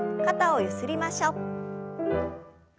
肩をゆすりましょう。